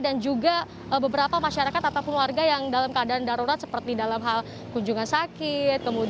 dan juga beberapa masyarakat atau keluarga yang dalam keadaan darurat seperti dalam hal kunjungan sakit